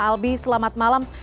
albi selamat malam